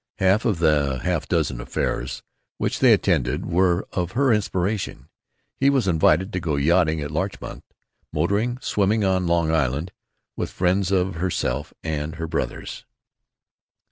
Half of the half dozen affairs which they attended were of her inspiration; he was invited to go yachting at Larchmont, motoring, swimming on Long Island, with friends of herself and her brothers.